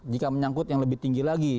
jika menyangkut yang lebih tinggi lagi